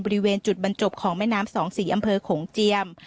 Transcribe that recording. บริเวณจุดบรรจบของแม่น้ำสองสีอำเภอโขงเจียม